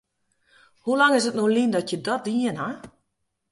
Hoe lang is it no lyn dat je dat dien ha?